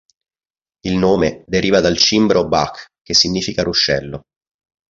Il nome deriva dal cimbro "Bach", che significa ruscello.